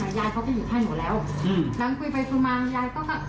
ยายเขาไปอยู่ให้หมดแล้วอืมหลังคุยไปคุยมายายก็แบบ